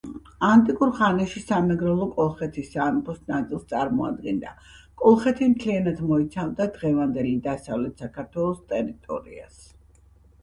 ანტიკურ ხანაში სამეგრელო კოლხეთის სამეფოს ნაწილს წარმოადგენდა. კოლხეთი მთლიანად მოიცავდა დღევანდელი დასავლეთ საქართველოს ტერიტორიას.